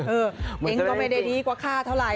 เอิ่มเองก็ไม่ได้ดีกว่าข้าเท่าไหร่